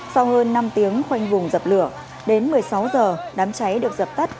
sau hơn năm tiếng khoanh vùng dập lửa đến một mươi sáu h đám cháy được dập tắt